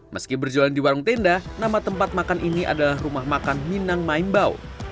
meski berjualan di warung tenda nama tempat makan ini adalah rumah makan minang maimbau